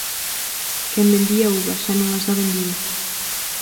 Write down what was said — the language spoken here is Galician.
Quen vendía uvas, xa non as dá vendido.